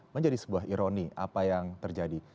menjadi sebuah ironi apa yang terjadi